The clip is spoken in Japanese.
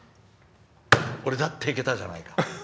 俺だって、行けたじゃないか。